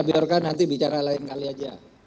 biorka nanti bicara lain kali saja